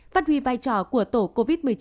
phát huy vai trò của tổ covid một mươi chín